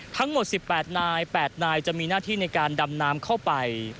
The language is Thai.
ทั้งหมด๑๘นาย๘นายจะมีหน้าที่ในการดำน้ำเข้าไป